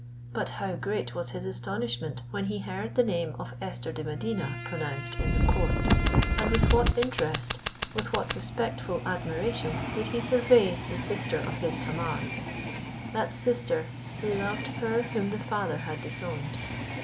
But how great was his astonishment when he heard the name of Esther de Medina pronounced in the court; and with what interest—with what respectful admiration, did he survey the sister of his Tamar—that sister who loved her whom the father had disowned!